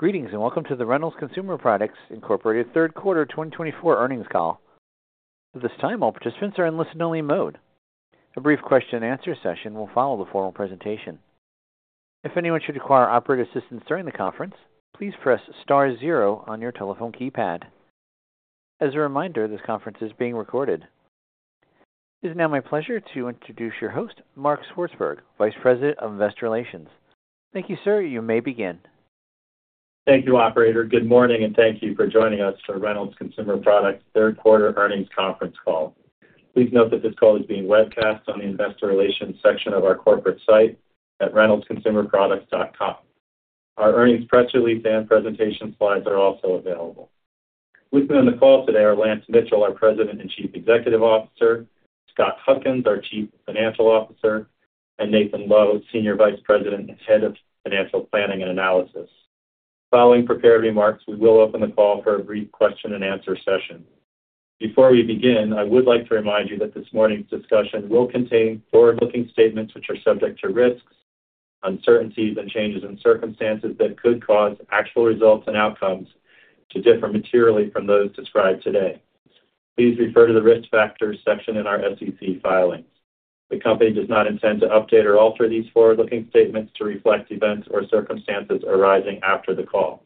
Greetings and welcome to the Reynolds Consumer Products Incorporated third quarter 2024 earnings call. At this time, all participants are in listen-only mode. A brief question-and-answer session will follow the formal presentation. If anyone should require operator assistance during the conference, please press star zero on your telephone keypad. As a reminder, this conference is being recorded. It is now my pleasure to introduce your host, Mark Swartzberg, Vice President of Investor Relations. Thank you, sir. You may begin. Thank you, Operator. Good morning and thank you for joining us for Reynolds Consumer Products third quarter earnings conference call. Please note that this call is being webcast on the investor relations section of our corporate site at reynoldsconsumerproducts.com. Our earnings press release and presentation slides are also available. With me on the call today are Lance Mitchell, our President and Chief Executive Officer; Scott Huckins, our Chief Financial Officer; and Nathan Lowe, Senior Vice President and Head of Financial Planning and Analysis. Following prepared remarks, we will open the call for a brief question-and-answer session. Before we begin, I would like to remind you that this morning's discussion will contain forward-looking statements which are subject to risks, uncertainties, and changes in circumstances that could cause actual results and outcomes to differ materially from those described today. Please refer to the risk factors section in our SEC filings. The company does not intend to update or alter these forward-looking statements to reflect events or circumstances arising after the call.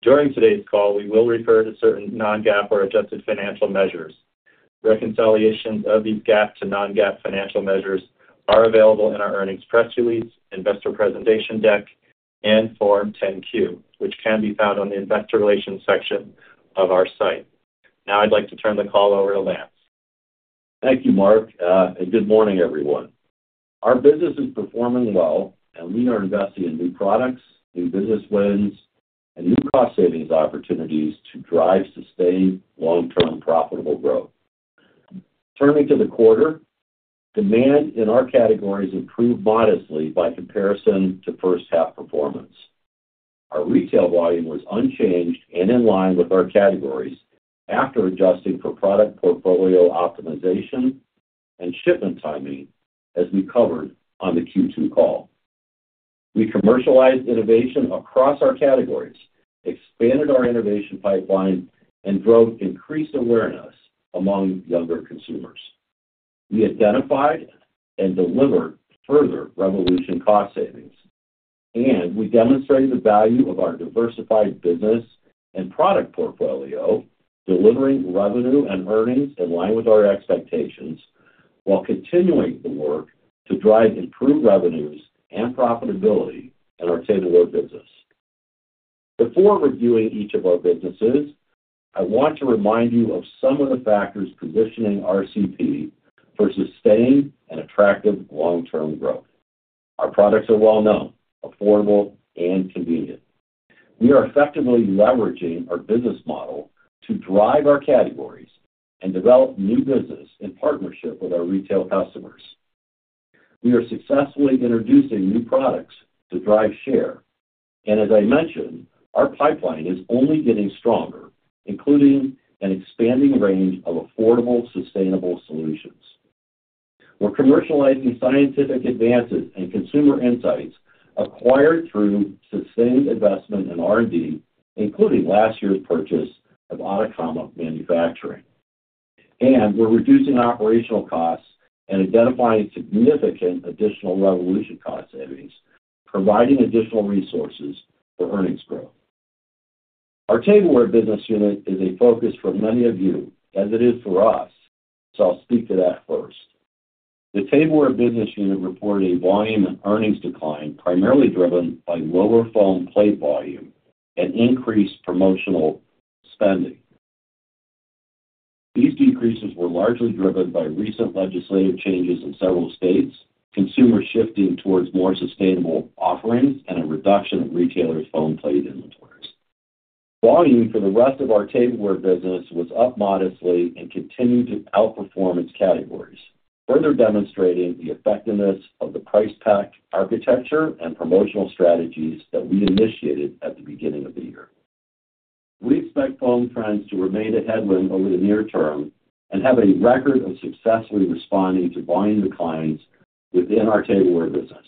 During today's call, we will refer to certain non-GAAP or adjusted financial measures. Reconciliations of these GAAP to non-GAAP financial measures are available in our earnings press release, investor presentation deck, and Form 10-Q, which can be found on the investor relations section of our site. Now I'd like to turn the call over to Lance. Thank you, Mark. Good morning, everyone. Our business is performing well, and we are investing in new products, new business wins, and new cost savings opportunities to drive sustained, long-term, profitable growth. Turning to the quarter, demand in our categories improved modestly by comparison to first-half performance. Our retail volume was unchanged and in line with our categories after adjusting for product portfolio optimization and shipment timing, as we covered on the Q2 call. We commercialized innovation across our categories, expanded our innovation pipeline, and drove increased awareness among younger consumers. We identified and delivered further Reyvolution cost savings, and we demonstrated the value of our diversified business and product portfolio, delivering revenue and earnings in line with our expectations while continuing the work to drive improved revenues and profitability in our tableware business. Before reviewing each of our businesses, I want to remind you of some of the factors positioning our CP for sustained and attractive long-term growth. Our products are well-known, affordable, and convenient. We are effectively leveraging our business model to drive our categories and develop new business in partnership with our retail customers. We are successfully introducing new products to drive share. And as I mentioned, our pipeline is only getting stronger, including an expanding range of affordable, sustainable solutions. We're commercializing scientific advances and consumer insights acquired through sustained investment in R&D, including last year's purchase of Atacama Manufacturing. And we're reducing operational costs and identifying significant additional Reyvolution cost savings, providing additional resources for earnings growth. Our tableware business unit is a focus for many of you, as it is for us, so I'll speak to that first. The tableware business unit reported a volume and earnings decline primarily driven by lower foam plate volume and increased promotional spending. These decreases were largely driven by recent legislative changes in several states, consumers shifting towards more sustainable offerings, and a reduction in retailers' foam plate inventories. Volume for the rest of our tableware business was up modestly and continued to outperform its categories, further demonstrating the effectiveness of the price pack architecture and promotional strategies that we initiated at the beginning of the year. We expect foam bans to remain a headwind over the near term and have a record of successfully responding to volume declines within our tableware business.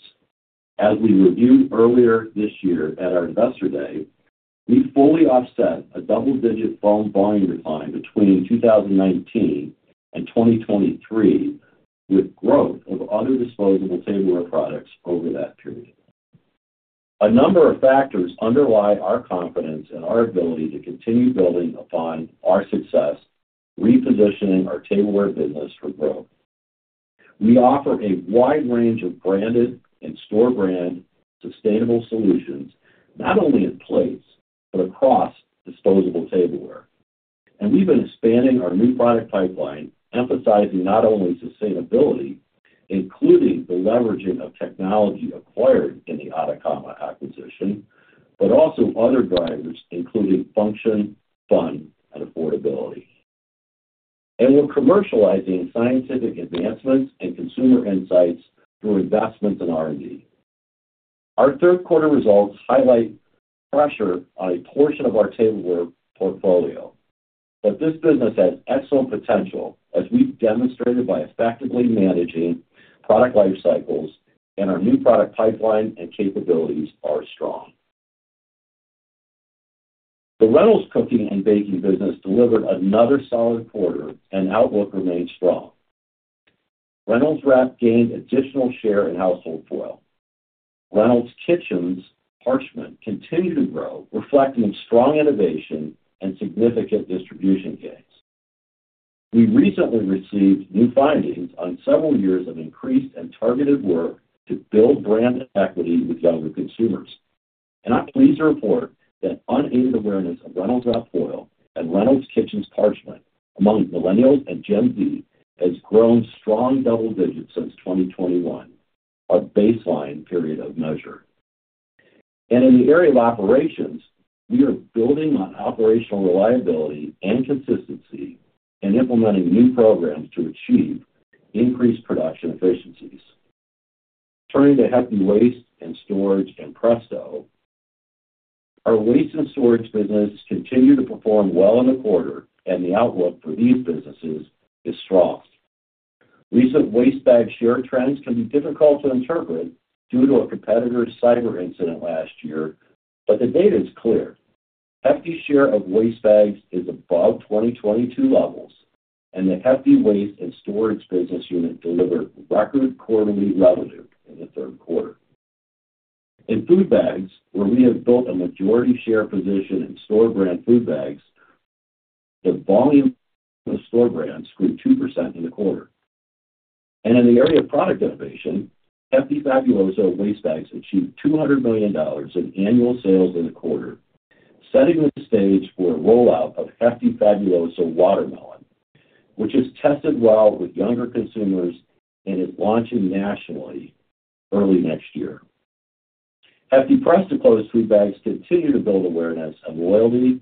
As we reviewed earlier this year at our investor day, we fully offset a double-digit foam volume decline between 2019 and 2023 with growth of other disposable tableware products over that period. A number of factors underlie our confidence and our ability to continue building upon our success, repositioning our tableware business for growth. We offer a wide range of branded and store-brand sustainable solutions, not only in plates but across disposable tableware, and we've been expanding our new product pipeline, emphasizing not only sustainability, including the leveraging of technology acquired in the Atacama acquisition, but also other drivers, including function, fun, and affordability, and we're commercializing scientific advancements and consumer insights through investments in R&D. Our third-quarter results highlight pressure on a portion of our tableware portfolio, but this business has excellent potential, as we've demonstrated by effectively managing product life cycles, and our new product pipeline and capabilities are strong. The Reynolds Cooking and Baking business delivered another solid quarter, and outlook remains strong. Reynolds Wrap gained additional share in household foil. Reynolds Kitchens parchment continued to grow, reflecting strong innovation and significant distribution gains. We recently received new findings on several years of increased and targeted work to build brand equity with younger consumers. And I'm pleased to report that unaided awareness of Reynolds Wrap foil and Reynolds Kitchens parchment among millennials and Gen Z has grown strong double digits since 2021, our baseline period of measure. And in the area of operations, we are building on operational reliability and consistency and implementing new programs to achieve increased production efficiencies. Turning to Hefty Waste and Storage and Presto, our waste and storage business continues to perform well in the quarter, and the outlook for these businesses is strong. Recent waste bag share trends can be difficult to interpret due to a competitor's cyber incident last year, but the data is clear. Hefty share of waste bags is above 2022 levels, and the Hefty Waste and Storage business unit delivered record quarterly revenue in the third quarter. In food bags, where we have built a majority share position in store-brand food bags, the volume of store brands grew 2% in the quarter. And in the area of product innovation, Hefty Fabuloso waste bags achieved $200 million in annual sales in the quarter, setting the stage for a rollout of Hefty Fabuloso Watermelon, which has tested well with younger consumers and is launching nationally early next year. Hefty Press-to-Close food bags continue to build awareness and loyalty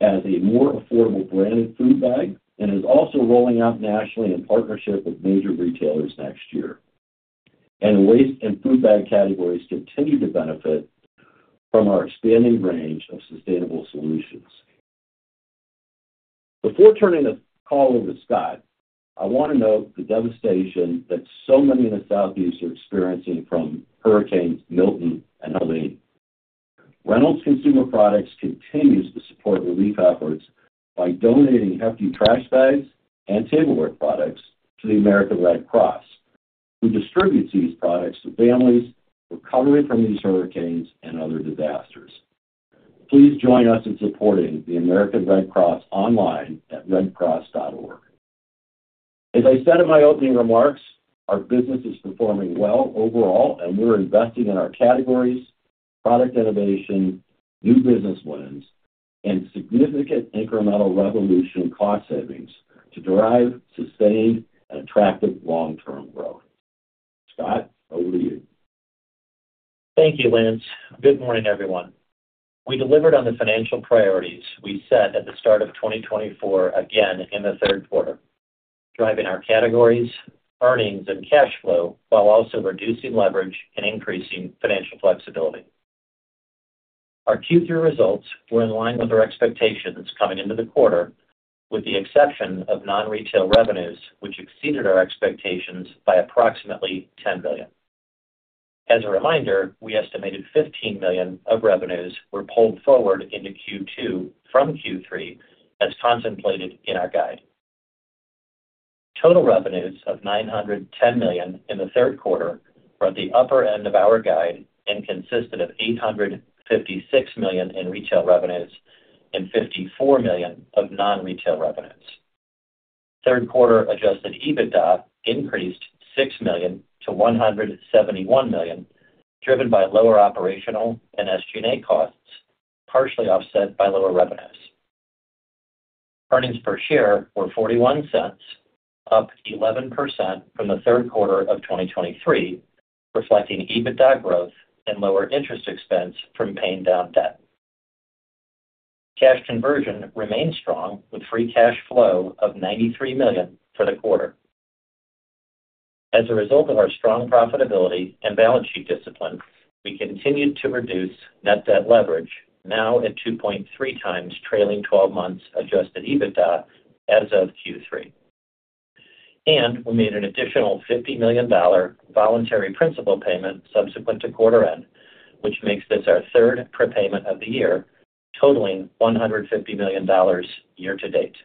as a more affordable branded food bag and is also rolling out nationally in partnership with major retailers next year. And the waste and food bag categories continue to benefit from our expanding range of sustainable solutions. Before turning the call over to Scott, I want to note the devastation that so many in the Southeast are experiencing from Hurricanes Milton and Helene. Reynolds Consumer Products continues to support relief efforts by donating Hefty trash bags and tableware products to the American Red Cross, who distributes these products to families recovering from these hurricanes and other disasters. Please join us in supporting the American Red Cross online at redcross.org. As I said in my opening remarks, our business is performing well overall, and we're investing in our categories, product innovation, new business wins, and significant incremental Reyvolution cost savings to drive sustained and attractive long-term growth. Scott, over to you. Thank you, Lance. Good morning, everyone. We delivered on the financial priorities we set at the start of 2024 again in the third quarter, driving our categories, earnings, and cash flow while also reducing leverage and increasing financial flexibility. Our Q3 results were in line with our expectations coming into the quarter, with the exception of non-retail revenues, which exceeded our expectations by approximately $10 billion. As a reminder, we estimated $15 million of revenues were pulled forward into Q2 from Q3, as contemplated in our guide. Total revenues of $910 million in the third quarter were at the upper end of our guide and consisted of $856 million in retail revenues and $54 million of non-retail revenues. Third-quarter Adjusted EBITDA increased $6 million to $171 million, driven by lower operational and SG&A costs, partially offset by lower revenues. Earnings per share were $0.41, up 11% from the third quarter of 2023, reflecting EBITDA growth and lower interest expense from paying down debt. Cash conversion remained strong, with free cash flow of $93 million for the quarter. As a result of our strong profitability and balance sheet discipline, we continued to reduce net debt leverage, now at 2.3 times trailing 12 months adjusted EBITDA as of Q3, and we made an additional $50 million voluntary principal payment subsequent to quarter end, which makes this our third prepayment of the year, totaling $150 million year-to-date.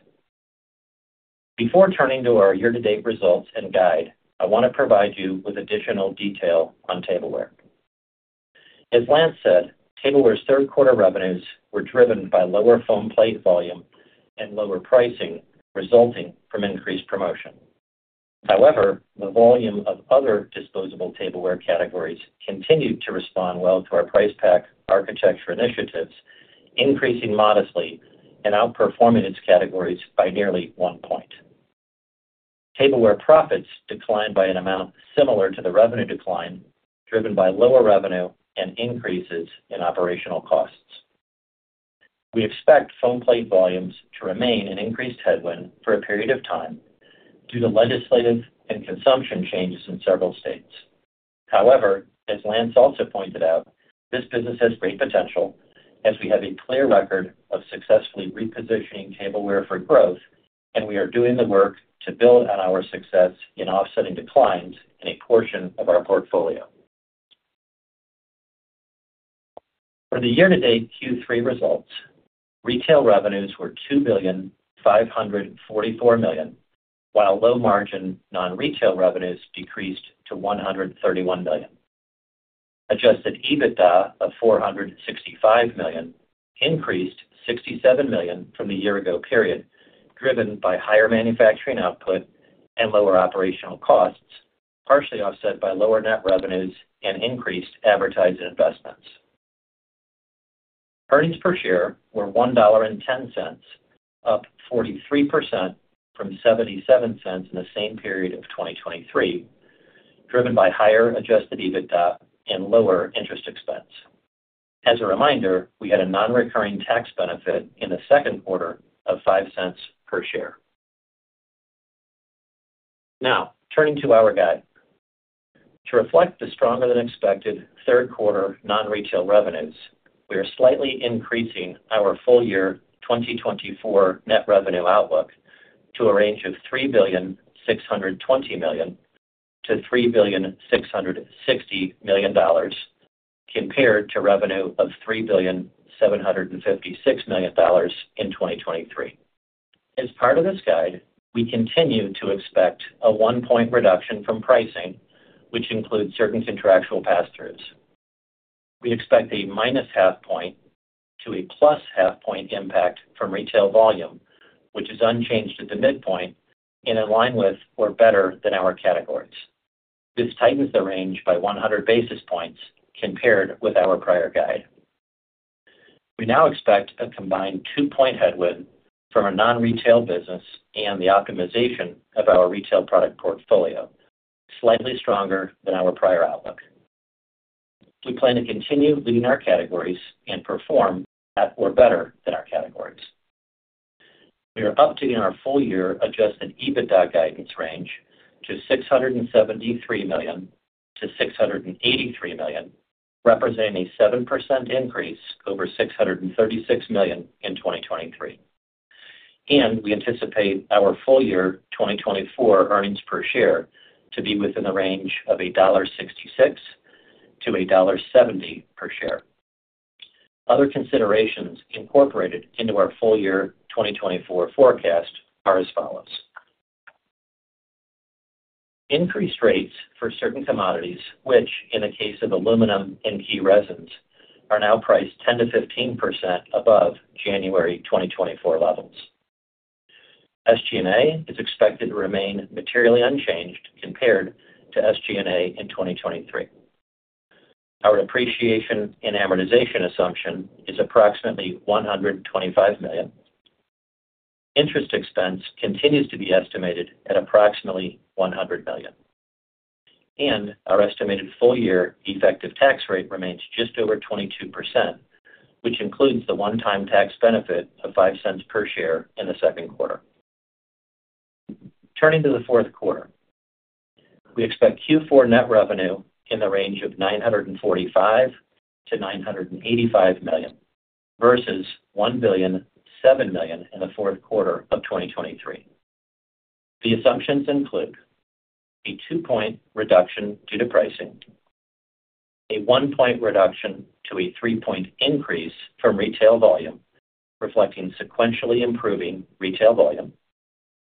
Before turning to our year-to-date results and guide, I want to provide you with additional detail on tableware. As Lance said, tableware's third-quarter revenues were driven by lower foam plate volume and lower pricing resulting from increased promotion. However, the volume of other disposable tableware categories continued to respond well to our price pack architecture initiatives, increasing modestly and outperforming its categories by nearly one point. Tableware profits declined by an amount similar to the revenue decline driven by lower revenue and increases in operational costs. We expect foam plate volumes to remain an increased headwind for a period of time due to legislative and consumption changes in several states. However, as Lance also pointed out, this business has great potential as we have a clear record of successfully repositioning tableware for growth, and we are doing the work to build on our success in offsetting declines in a portion of our portfolio. For the year-to-date Q3 results, retail revenues were $2,544 million, while low-margin non-retail revenues decreased to $131 million. Adjusted EBITDA of $465 million increased $67 million from the year-ago period, driven by higher manufacturing output and lower operational costs, partially offset by lower net revenues and increased advertising investments. Earnings per share were $1.10, up 43% from $0.77 in the same period of 2023, driven by higher adjusted EBITDA and lower interest expense. As a reminder, we had a non-recurring tax benefit in the second quarter of $0.05 per share. Now, turning to our guide. To reflect the stronger-than-expected third-quarter non-retail revenues, we are slightly increasing our full-year 2024 net revenue outlook to a range of $3,620 million-$3,660 million compared to revenue of $3,756 million in 2023. As part of this guide, we continue to expect a one-point reduction from pricing, which includes certain contractual pass-throughs. We expect a minus 0.5-point to a plus 0.5-point impact from retail volume, which is unchanged at the midpoint in line with or better than our categories. This tightens the range by 100 basis points compared with our prior guide. We now expect a combined two-point headwind from a non-retail business and the optimization of our retail product portfolio, slightly stronger than our prior outlook. We plan to continue leading our categories and perform at or better than our categories. We are updating our full-year Adjusted EBITDA guidance range to $673 million-$683 million, representing a 7% increase over $636 million in 2023. And we anticipate our full-year 2024 earnings per share to be within the range of $1.66-$1.70 per share. Other considerations incorporated into our full-year 2024 forecast are as follows. Increased rates for certain commodities, which, in the case of aluminum and key resins, are now priced 10%-15% above January 2024 levels. SG&A is expected to remain materially unchanged compared to SG&A in 2023. Our depreciation and amortization assumption is approximately $125 million. Interest expense continues to be estimated at approximately $100 million. And our estimated full-year effective tax rate remains just over 22%, which includes the one-time tax benefit of $0.05 per share in the second quarter. Turning to the fourth quarter, we expect Q4 net revenue in the range of $945 million-$985 million versus $1,007 million in the fourth quarter of 2023. The assumptions include a two-point reduction due to pricing, a one-point reduction to a three-point increase from retail volume, reflecting sequentially improving retail volume,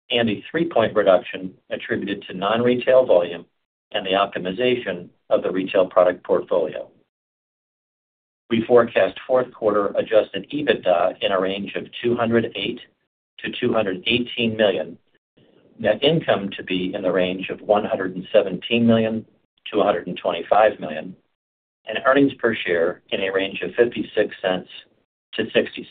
and a three-point reduction attributed to non-retail volume and the optimization of the retail product portfolio. We forecast fourth-quarter Adjusted EBITDA in a range of $208 million-$218 million, net income to be in the range of $117 million-$125 million, and earnings per share in a range of $0.56-$0.60.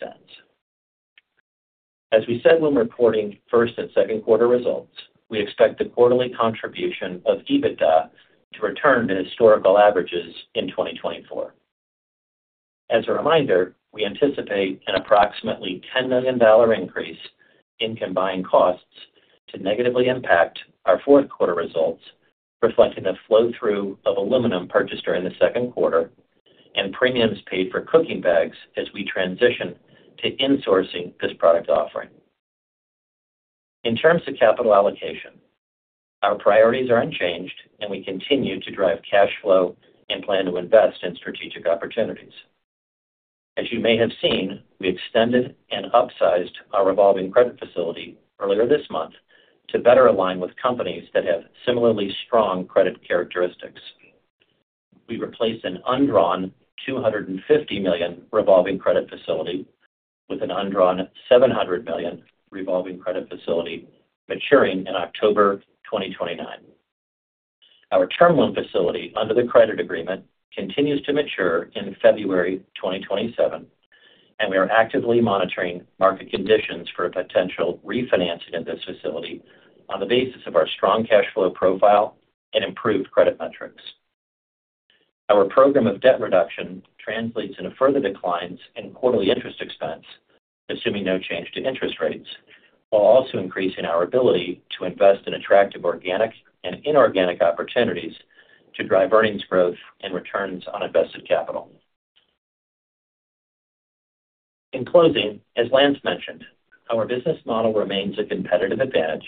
As we said when reporting first and second quarter results, we expect the quarterly contribution of EBITDA to return to historical averages in 2024. As a reminder, we anticipate an approximately $10 million increase in combined costs to negatively impact our fourth-quarter results, reflecting the flow-through of aluminum purchased during the second quarter and premiums paid for cooking bags as we transition to insourcing this product offering. In terms of capital allocation, our priorities are unchanged, and we continue to drive cash flow and plan to invest in strategic opportunities. As you may have seen, we extended and upsized our revolving credit facility earlier this month to better align with companies that have similarly strong credit characteristics. We replaced an undrawn $250 million revolving credit facility with an undrawn $700 million revolving credit facility maturing in October 2029. Our Term Loan Facility under the credit agreement continues to mature in February 2027, and we are actively monitoring market conditions for a potential refinancing of this facility on the basis of our strong cash flow profile and improved credit metrics. Our program of debt reduction translates into further declines in quarterly interest expense, assuming no change to interest rates, while also increasing our ability to invest in attractive organic and inorganic opportunities to drive earnings growth and returns on invested capital. In closing, as Lance mentioned, our business model remains a competitive advantage.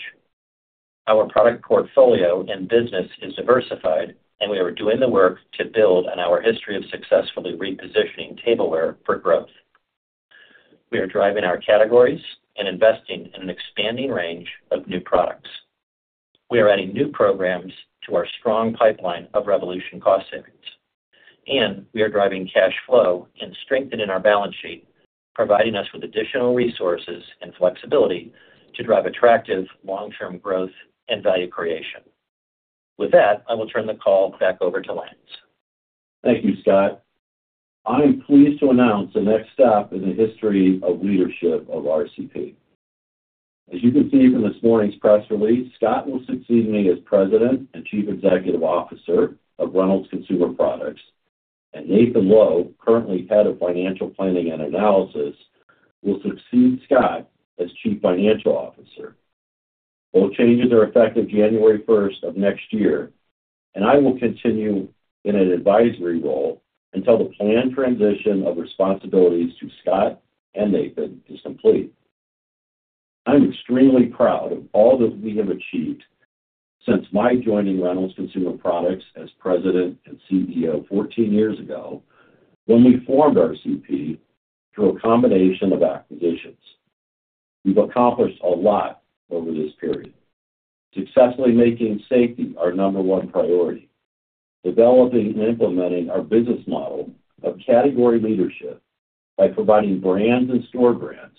Our product portfolio and business is diversified, and we are doing the work to build on our history of successfully repositioning tableware for growth. We are driving our categories and investing in an expanding range of new products. We are adding new programs to our strong pipeline of Reyvolution cost savings, and we are driving cash flow and strengthening our balance sheet, providing us with additional resources and flexibility to drive attractive long-term growth and value creation. With that, I will turn the call back over to Lance. Thank you, Scott. I am pleased to announce the next stop in the history of leadership of RCP. As you can see from this morning's press release, Scott will succeed me as President and Chief Executive Officer of Reynolds Consumer Products, and Nathan Lowe, currently Head of Financial Planning and Analysis, will succeed Scott as Chief Financial Officer. Both changes are effective January 1st of next year, and I will continue in an advisory role until the planned transition of responsibilities to Scott and Nathan is complete. I'm extremely proud of all that we have achieved since my joining Reynolds Consumer Products as President and CEO 14 years ago when we formed RCP through a combination of acquisitions. We've accomplished a lot over this period, successfully making safety our number one priority, developing and implementing our business model of category leadership by providing brands and store brands,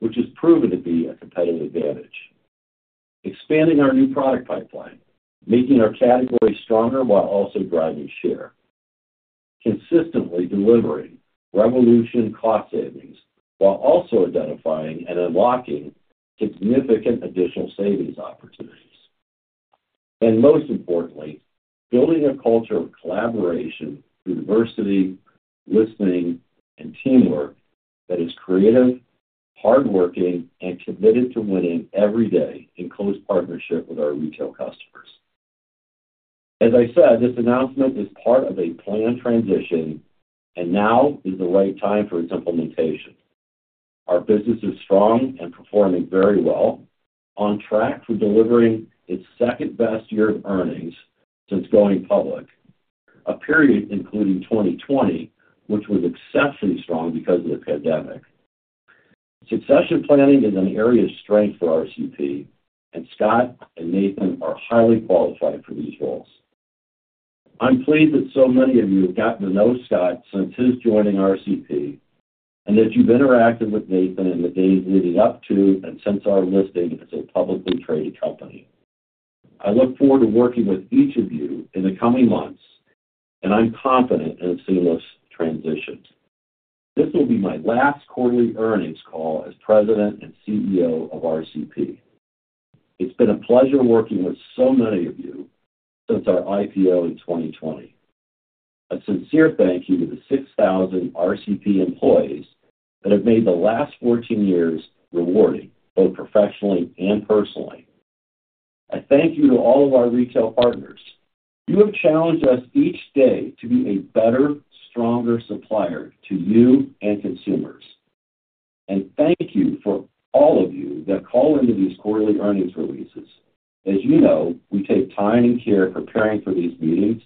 which has proven to be a competitive advantage, expanding our new product pipeline, making our category stronger while also driving share, consistently delivering Reyvolution cost savings while also identifying and unlocking significant additional savings opportunities, and most importantly, building a culture of collaboration through diversity, listening, and teamwork that is creative, hardworking, and committed to winning every day in close partnership with our retail customers. As I said, this announcement is part of a planned transition, and now is the right time for its implementation. Our business is strong and performing very well, on track for delivering its second-best year of earnings since going public, a period including 2020, which was exceptionally strong because of the pandemic. Succession planning is an area of strength for RCP, and Scott and Nathan are highly qualified for these roles. I'm pleased that so many of you have gotten to know Scott since his joining RCP and that you've interacted with Nathan in the days leading up to and since our listing as a publicly traded company. I look forward to working with each of you in the coming months, and I'm confident in a seamless transition. This will be my last quarterly earnings call as President and CEO of RCP. It's been a pleasure working with so many of you since our IPO in 2020. A sincere thank you to the 6,000 RCP employees that have made the last 14 years rewarding, both professionally and personally. I thank you to all of our retail partners. You have challenged us each day to be a better, stronger supplier to you and consumers, and thank you for all of you that call into these quarterly earnings releases. As you know, we take time and care preparing for these meetings,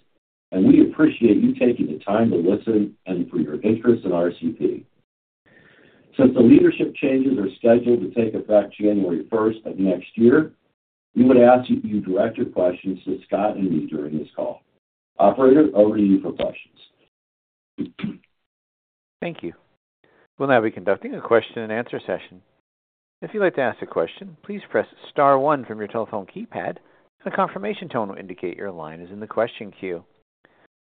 and we appreciate you taking the time to listen and for your interest in RCP. Since the leadership changes are scheduled to take effect January 1st of next year, we would ask that you direct your questions to Scott and me during this call. Operator, over to you for questions. Thank you. We'll now be conducting a question-and-answer session. If you'd like to ask a question, please press star one from your telephone keypad, and a confirmation tone will indicate your line is in the question queue.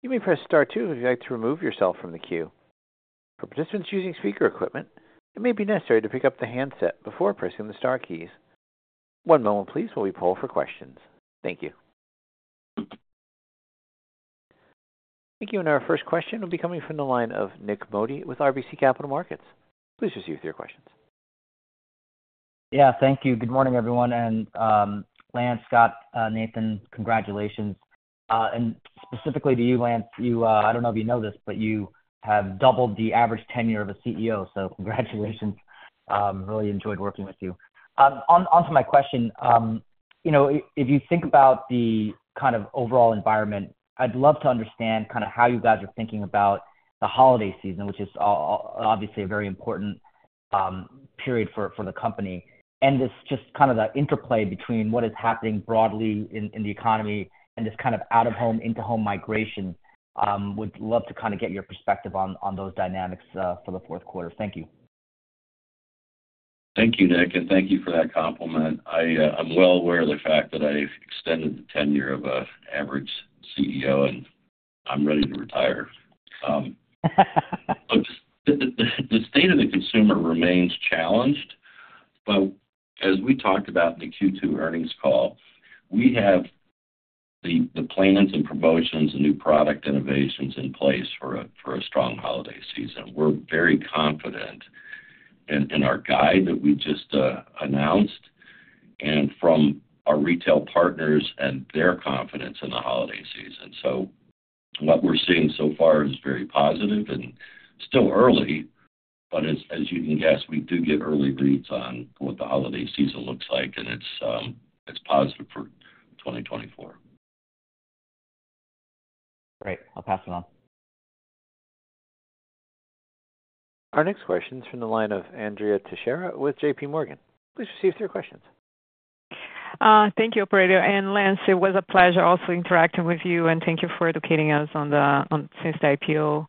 You may press star two if you'd like to remove yourself from the queue. For participants using speaker equipment, it may be necessary to pick up the handset before pressing the star keys. One moment, please, while we poll for questions. Thank you. Thank you. And our first question will be coming from the line of Nik Modi with RBC Capital Markets. Please proceed with your questions. Yeah, thank you. Good morning, everyone. And Lance, Scott, Nathan, congratulations. And specifically to you, Lance, you, I don't know if you know this, but you have doubled the average tenure of a CEO, so congratulations. Really enjoyed working with you. On to my question, you know, if you think about the kind of overall environment, I'd love to understand kind of how you guys are thinking about the holiday season, which is obviously a very important period for the company. And this just kind of the interplay between what is happening broadly in the economy and this kind of out-of-home, into-home migration, would love to kind of get your perspective on those dynamics for the fourth quarter. Thank you. Thank you, Nik, and thank you for that compliment. I'm well aware of the fact that I've extended the tenure of an average CEO, and I'm ready to retire. The state of the consumer remains challenged, but as we talked about in the Q2 earnings call, we have the plans and promotions and new product innovations in place for a strong holiday season. We're very confident in our guide that we just announced and from our retail partners and their confidence in the holiday season. So what we're seeing so far is very positive and still early, but as you can guess, we do get early reads on what the holiday season looks like, and it's positive for 2024. Great. I'll pass it on. Our next question is from the line of Andrea Teixeira with JPMorgan. Please proceed with your questions. Thank you, Operator. And Lance, it was a pleasure also interacting with you, and thank you for educating us on things since the IPO,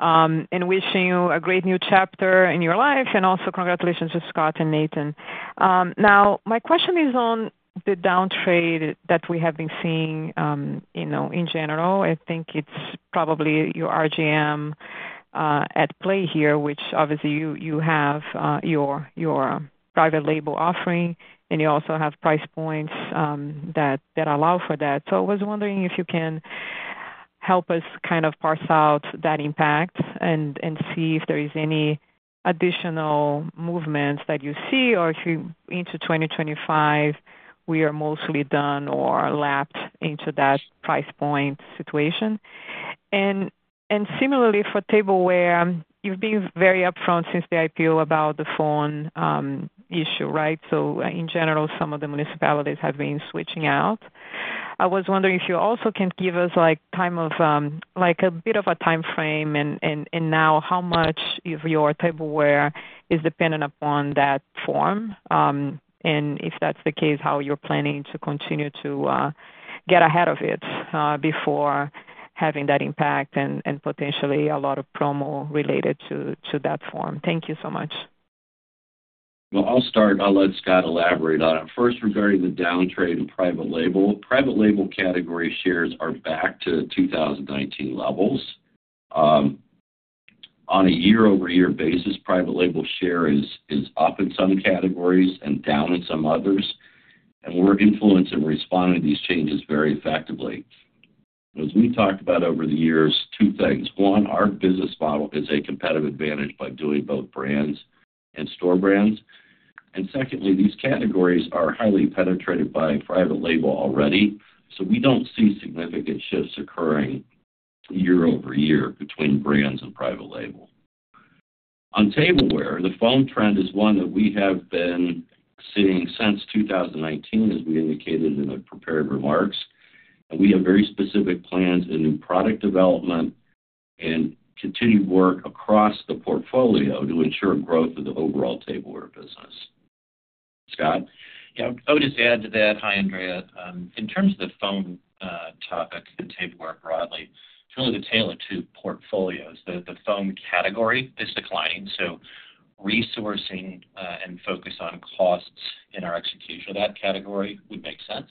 and wishing you a great new chapter in your life. And also, congratulations to Scott and Nathan. Now, my question is on the downtrade that we have been seeing in general. I think it's probably your RGM at play here, which obviously you have your private label offering, and you also have price points that allow for that. So I was wondering if you can help us kind of parse out that impact and see if there are any additional movements that you see or if into 2025 we are mostly done or lapped into that price point situation. And similarly for tableware, you've been very upfront since the IPO about the foam issue, right? So in general, some of the municipalities have been switching out. I was wondering if you also can give us like a bit of a time frame and now how much of your tableware is dependent upon that foam, and if that's the case, how you're planning to continue to get ahead of it before having that impact and potentially a lot of promo related to that foam. Thank you so much. I'll start. I'll let Scott elaborate on it. First, regarding the downtrade in private label, private label category shares are back to 2019 levels. On a year-over-year basis, private label share is up in some categories and down in some others, and we're influencing and responding to these changes very effectively. As we talked about over the years, two things. One, our business model is a competitive advantage by doing both brands and store brands. And secondly, these categories are highly penetrated by private label already, so we don't see significant shifts occurring year-over-year between brands and private label. On tableware, the foam trend is one that we have been seeing since 2019, as we indicated in the prepared remarks, and we have very specific plans in new product development and continued work across the portfolio to ensure growth of the overall tableware business. Scott? Yeah, I would just add to that. Hi, Andrea. In terms of the foil topic and tableware broadly, it's really tailored to portfolios. The foil category is declining, so resourcing and focus on costs in our execution of that category would make sense.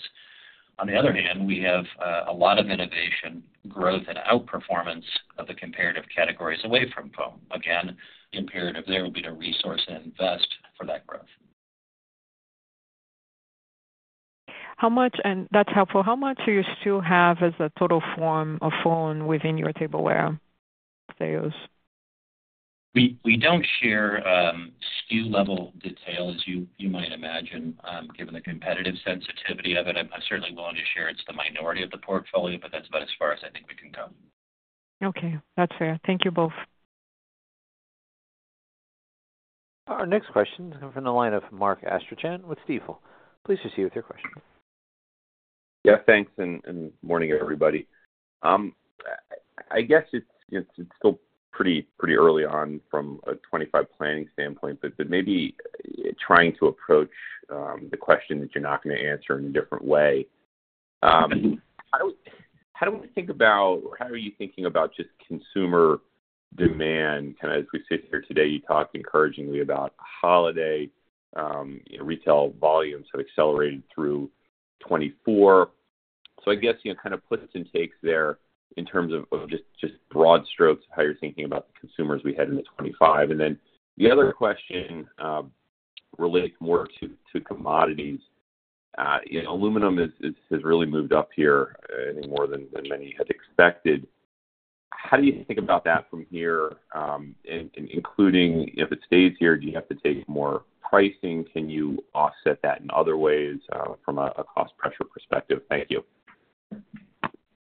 On the other hand, we have a lot of innovation, growth, and outperformance of the complementary categories away from foil. Again, the imperative there will be to resource and invest for that growth. How much, and that's helpful, how much do you still have as a total form of foam within your tableware sales? We don't share SKU level detail, as you might imagine, given the competitive sensitivity of it. I'm certainly willing to share, it's the minority of the portfolio, but that's about as far as I think we can go. Okay, that's fair. Thank you both. Our next question is from the line of Mark Astrachan with Stifel. Please proceed with your question. Yeah, thanks, and morning, everybody. I guess it's still pretty early on from a 2025 planning standpoint, but maybe trying to approach the question that you're not going to answer in a different way. How do we think about, or how are you thinking about just consumer demand? Kind of as we sit here today, you talk encouragingly about holiday retail volumes have accelerated through 2024. So I guess kind of puts intakes there in terms of just broad strokes of how you're thinking about the consumers we had in the 2025. And then the other question relates more to commodities. Aluminum has really moved up here, I think, more than many had expected. How do you think about that from here? And including if it stays here, do you have to take more pricing? Can you offset that in other ways from a cost pressure perspective? Thank you.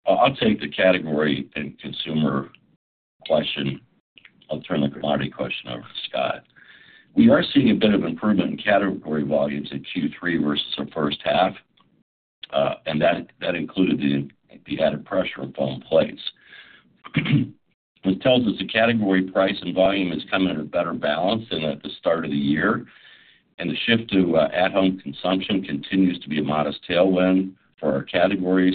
I'll take the category and consumer question. I'll turn the commodity question over to Scott. We are seeing a bit of improvement in category volumes in Q3 versus the first half, and that included the added pressure of foam plates. This tells us the category price and volume is coming at a better balance than at the start of the year, and the shift to at-home consumption continues to be a modest tailwind for our categories.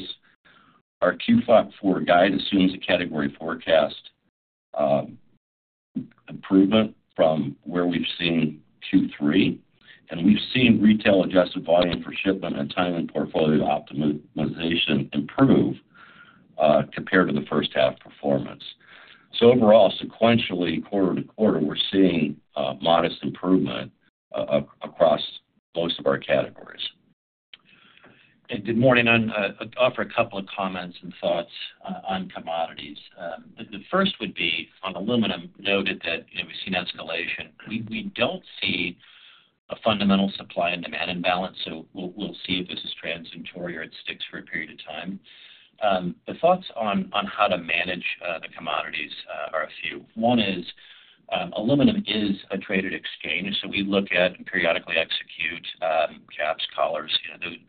Our Q4 guide assumes a category forecast improvement from where we've seen Q3, and we've seen retail adjusted volume for shipment and timing portfolio optimization improve compared to the first half performance. So overall, sequentially, quarter to quarter, we're seeing modest improvement across most of our categories. Good morning. I'll offer a couple of comments and thoughts on commodities. The first would be on aluminum, noting that we've seen escalation. We don't see a fundamental supply and demand imbalance, so we'll see if this is transitory or it sticks for a period of time. The thoughts on how to manage the commodities are a few. One is aluminum is a traded exchange, so we look at and periodically execute caps, collars,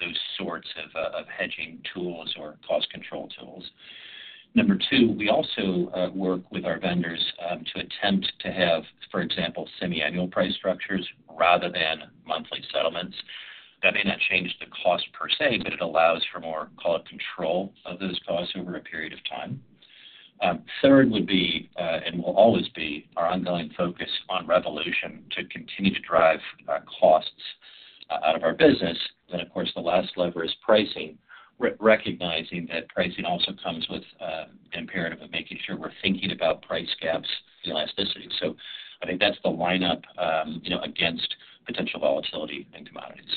those sorts of hedging tools or cost control tools. Number two, we also work with our vendors to attempt to have, for example, semi-annual price structures rather than monthly settlements. That may not change the cost per se, but it allows for more, call it, control of those costs over a period of time. Third would be, and will always be, our ongoing focus on Reyvolution to continue to drive costs out of our business. Then, of course, the last lever is pricing, recognizing that pricing also comes with the imperative of making sure we're thinking about price gaps. Elasticity. So I think that's the lineup against potential volatility in commodities.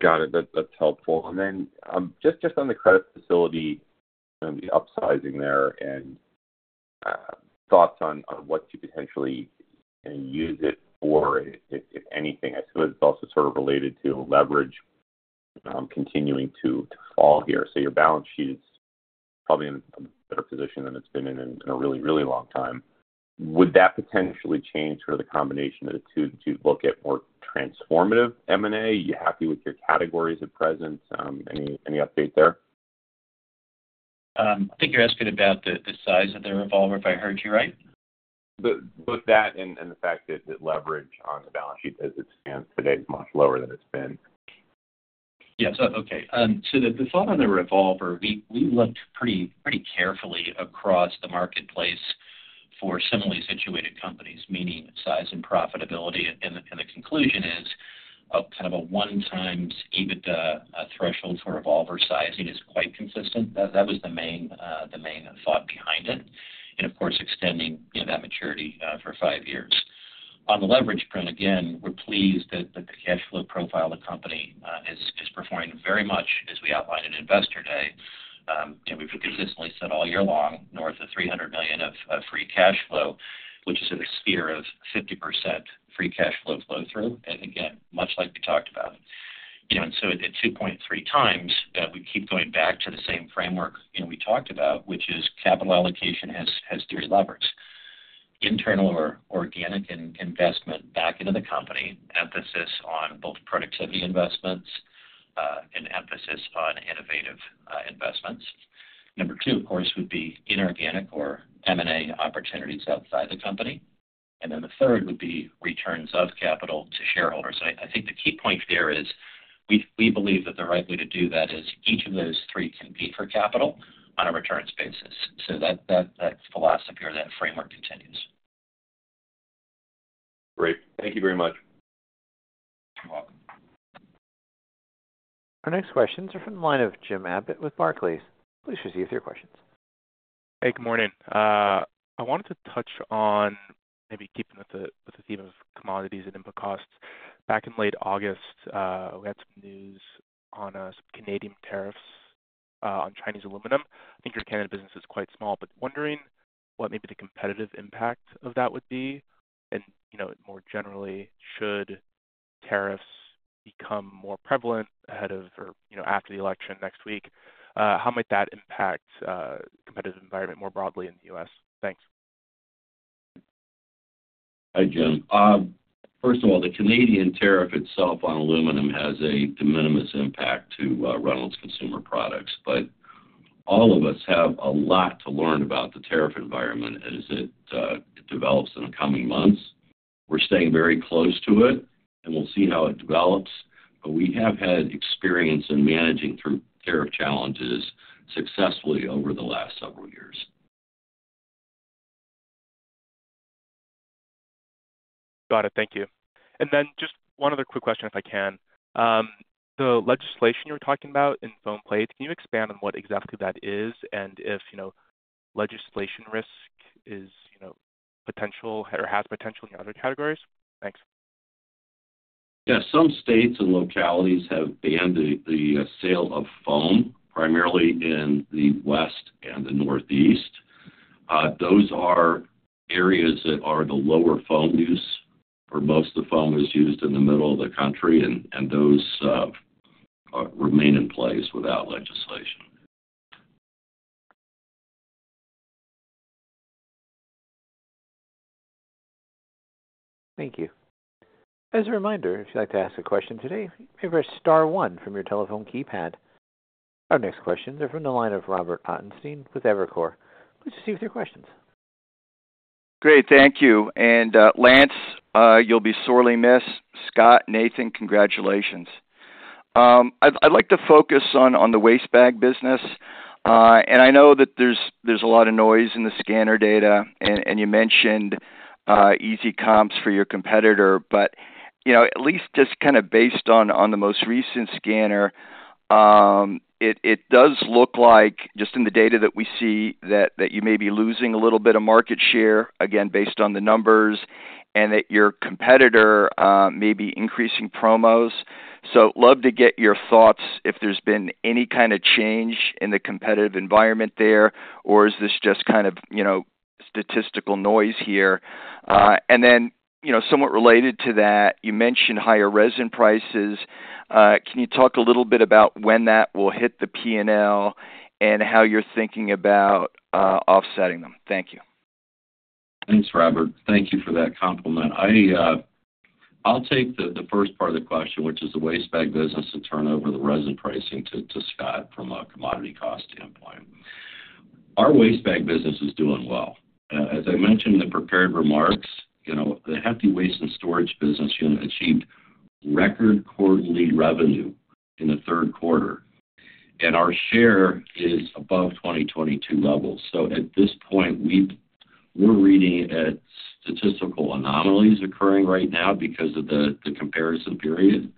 Got it. That's helpful. And then just on the credit facility and the upsizing there and thoughts on what to potentially use it for, if anything. I suppose it's also sort of related to leverage continuing to fall here. So your balance sheet is probably in a better position than it's been in a really, really long time. Would that potentially change sort of the combination of the two to look at more transformative M&A? Are you happy with your categories at present? Any update there? I think you're asking about the size of the revolver, if I heard you right. But with that and the fact that leverage on the balance sheet as it stands today is much lower than it's been. Yes. Okay, so the thought on the revolver, we looked pretty carefully across the marketplace for similarly situated companies, meaning size and profitability, and the conclusion is kind of a one-time EBITDA threshold for revolver sizing is quite consistent. That was the main thought behind it, and of course, extending that maturity for five years. On the leverage print, again, we're pleased that the cash flow profile of the company is performing very much as we outlined at investor day. We've consistently said all year long north of $300 million of free cash flow, which is in the sphere of 50% free cash flow flow-through, and again, much like we talked about. And so at 2.3 times, we keep going back to the same framework we talked about, which is capital allocation has three levers: internal or organic investment back into the company, emphasis on both productivity investments and emphasis on innovative investments. Number two, of course, would be inorganic or M&A opportunities outside the company. And then the third would be returns of capital to shareholders. I think the key point here is we believe that the right way to do that is each of those three can be for capital on a returns basis. So that philosophy or that framework continues. Great. Thank you very much. You're welcome. Our next questions are from the line of Jim Abbott with Barclays. Please proceed with your questions. Hey, good morning. I wanted to touch on maybe keeping with the theme of commodities and input costs. Back in late August, we had some news on Canadian tariffs on Chinese aluminum. I think your Canada business is quite small, but wondering what maybe the competitive impact of that would be. And more generally, should tariffs become more prevalent ahead of or after the election next week, how might that impact the competitive environment more broadly in the U.S.? Thanks. Hi, Jim. First of all, the Canadian tariff itself on aluminum has a de minimis impact to Reynolds Consumer Products, but all of us have a lot to learn about the tariff environment as it develops in the coming months. We're staying very close to it, and we'll see how it develops, but we have had experience in managing through tariff challenges successfully over the last several years. Got it. Thank you. And then just one other quick question, if I can. The legislation you're talking about in foam plates, can you expand on what exactly that is and if legislative risk is potential or has potential in your other categories? Thanks. Yeah. Some states and localities have banned the sale of foam, primarily in the West and the Northeast. Those are areas that are the lower foam use, where most of the foam is used in the middle of the country, and those remain in place without legislation. Thank you. As a reminder, if you'd like to ask a question today, press star one from your telephone keypad. Our next questions are from the line of Robert Ottenstein with Evercore. Please proceed with your questions. Great. Thank you. And Lance, you'll be sorely missed. Scott, Nathan, congratulations. I'd like to focus on the waste bag business. And I know that there's a lot of noise in the scanner data, and you mentioned easy comps for your competitor, but at least just kind of based on the most recent scanner, it does look like, just in the data that we see, that you may be losing a little bit of market share, again, based on the numbers, and that your competitor may be increasing promos. So I'd love to get your thoughts if there's been any kind of change in the competitive environment there, or is this just kind of statistical noise here? And then somewhat related to that, you mentioned higher resin prices. Can you talk a little bit about when that will hit the P&L and how you're thinking about offsetting them? Thank you. Thanks, Robert. Thank you for that compliment. I'll take the first part of the question, which is the waste bag business and turn over the resin pricing to Scott from a commodity cost standpoint. Our waste bag business is doing well. As I mentioned in the prepared remarks, the Hefty Waste and Storage business achieved record quarterly revenue in the third quarter, and our share is above 2022 levels. So at this point, we're seeing statistical anomalies occurring right now because of the comparison period.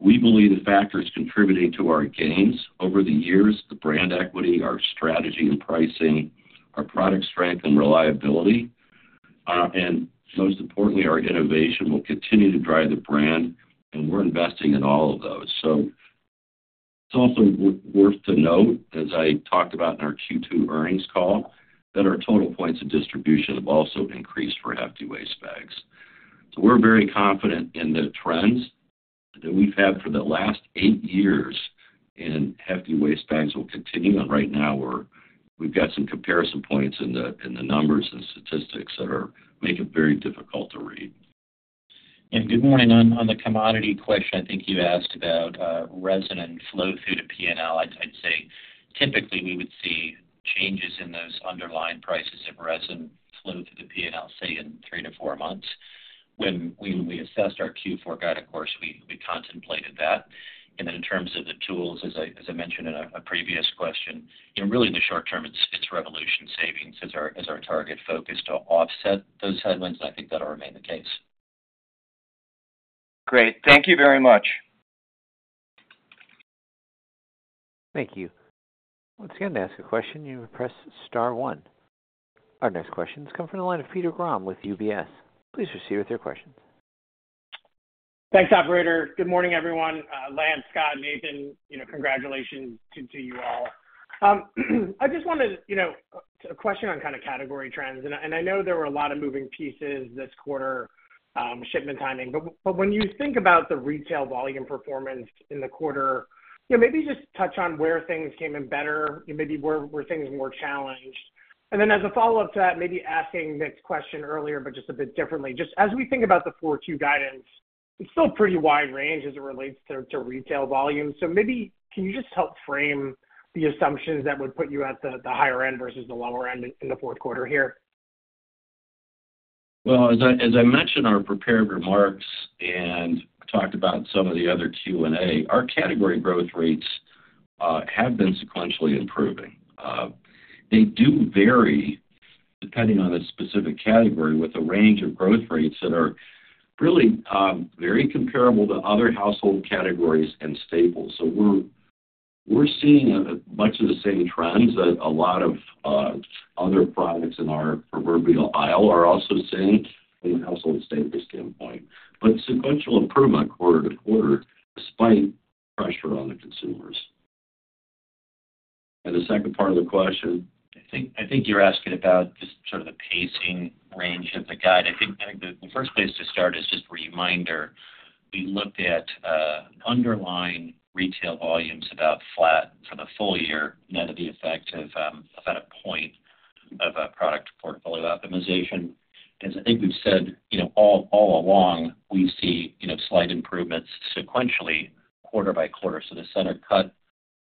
We believe the factors contributing to our gains over the years: the brand equity, our strategy and pricing, our product strength and reliability, and most importantly, our innovation will continue to drive the brand, and we're investing in all of those. So it's also worth to note, as I talked about in our Q2 earnings call, that our total points of distribution have also increased for Hefty waste bags. So we're very confident in the trends that we've had for the last eight years, and Hefty waste bags will continue. And right now, we've got some comparison points in the numbers and statistics that make it very difficult to read. Yeah. Good morning. On the commodity question, I think you asked about resin and flow-through to P&L. I'd say typically we would see changes in those underlying prices of resin flow-through to P&L, say, in three to four months. When we assessed our Q4 guide, of course, we contemplated that. And then in terms of the tools, as I mentioned in a previous question, really in the short term, it's Reyvolution savings as our target focus to offset those headwinds, and I think that'll remain the case. Great. Thank you very much. Thank you. Once again, to ask a question, you press star one. Our next questions come from the line of Peter Grom with UBS. Please proceed with your questions. Thanks, operator. Good morning, everyone. Lance, Scott, Nathan, congratulations to you all. I just wanted a question on kind of category trends, and I know there were a lot of moving pieces this quarter, shipment timing, but when you think about the retail volume performance in the quarter, maybe just touch on where things came in better, maybe where things were more challenged, and then as a follow-up to that, maybe asking this question earlier, but just a bit differently. Just as we think about the 4Q guidance, it's still a pretty wide range as it relates to retail volume, so maybe can you just help frame the assumptions that would put you at the higher end versus the lower end in the fourth quarter here? As I mentioned in our prepared remarks and talked about some of the other Q&A, our category growth rates have been sequentially improving. They do vary depending on the specific category with a range of growth rates that are really very comparable to other household categories and staples. We're seeing much of the same trends that a lot of other products in our proverbial aisle are also seeing from the household staples standpoint, but sequential improvement quarter to quarter despite pressure on the consumers. The second part of the question? I think you're asking about just sort of the pacing range of the guide. I think the first place to start is just a reminder. We looked at underlying retail volumes about flat for the full year, net of the effect of about a point of product portfolio optimization. As I think we've said all along, we see slight improvements sequentially quarter by quarter. So the center cut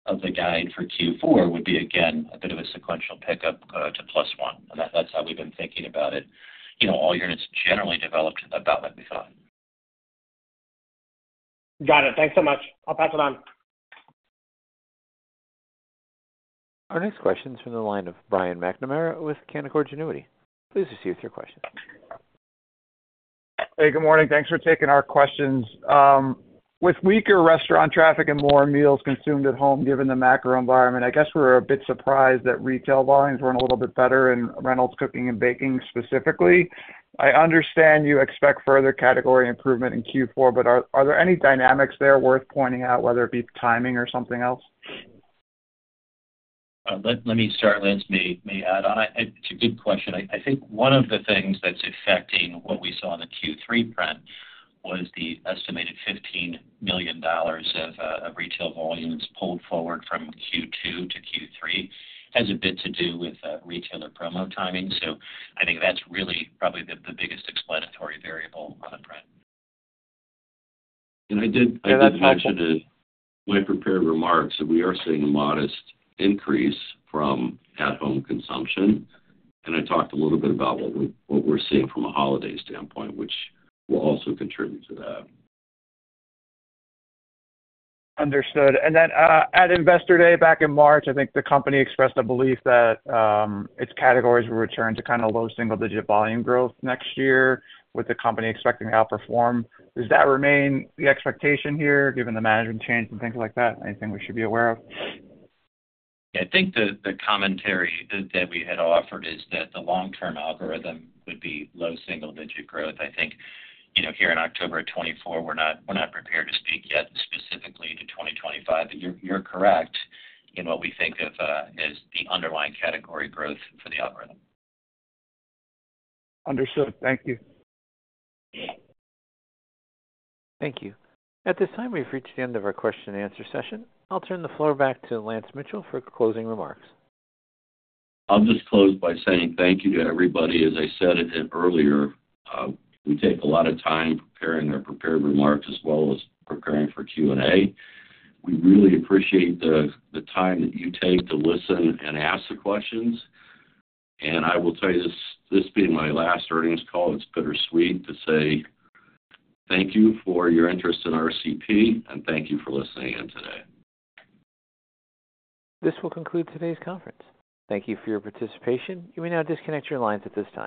of the guide for Q4 would be, again, a bit of a sequential pickup to plus one. And that's how we've been thinking about it. All units generally developed about what we thought. Got it. Thanks so much. I'll pass it on. Our next question is from the line of Brian McNamara with Canaccord Genuity. Please proceed with your question. Hey, good morning. Thanks for taking our questions. With weaker restaurant traffic and more meals consumed at home given the macro environment, I guess we're a bit surprised that retail volumes were a little bit better in Reynolds Cooking and Baking specifically. I understand you expect further category improvement in Q4, but are there any dynamics there worth pointing out, whether it be timing or something else? Let me start. Lance may add on. It's a good question. I think one of the things that's affecting what we saw in the Q3 print was the estimated $15 million of retail volumes pulled forward from Q2 to Q3 has a bit to do with retailer promo timing. So I think that's really probably the biggest explanatory variable on the print. I did mention in my prepared remarks that we are seeing a modest increase from at-home consumption. I talked a little bit about what we're seeing from a holiday standpoint, which will also contribute to that. Understood. And then at investor day back in March, I think the company expressed a belief that its categories will return to kind of low single-digit volume growth next year with the company expecting to outperform. Does that remain the expectation here given the management change and things like that? Anything we should be aware of? Yeah. I think the commentary that we had offered is that the long-term algorithm would be low single-digit growth. I think here in October of 2024, we're not prepared to speak yet specifically to 2025, but you're correct in what we think of as the underlying category growth for the algorithm. Understood. Thank you. Thank you. At this time, we've reached the end of our question-and-answer session. I'll turn the floor back to Lance Mitchell for closing remarks. I'll just close by saying thank you to everybody. As I said earlier, we take a lot of time preparing our prepared remarks as well as preparing for Q&A. We really appreciate the time that you take to listen and ask the questions, and I will tell you this being my last earnings call, it's bittersweet to say thank you for your interest in RCP, and thank you for listening in today. This will conclude today's conference. Thank you for your participation. You may now disconnect your lines at this time.